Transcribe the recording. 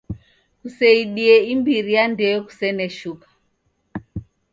Kuseide imbiri ya ndeo kusene shuka.